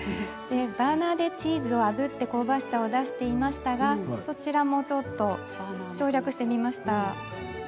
バーナーでチーズをあぶって香ばしさを出していましたがそちらは寮略します。